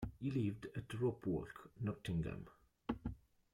He lived at The Ropewalk, Nottingham.